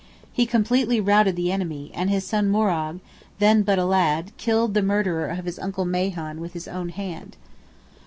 He completely routed the enemy, and his son Morrogh, then but a lad, "killed the murderer of his uncle Mahon with his own hand."